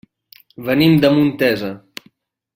Venim de Montesa.